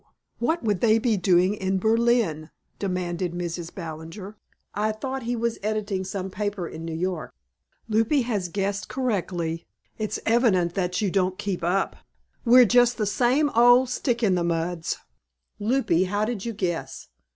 What would they be doing in Berlin?" demanded Mrs. Ballinger. "I thought he was editing some paper in New York." "'Lupie has guessed correctly. It's evident that you don't keep up. We're just the same old stick in the muds. 'Lupie, how did you guess?